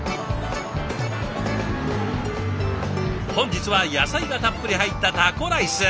本日は野菜がたっぷり入ったタコライス！